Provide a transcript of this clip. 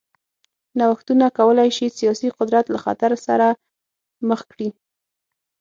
نوښتونه کولای شي سیاسي قدرت له خطر سره مخ کړي.